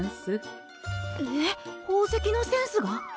えっ宝石のセンスが！？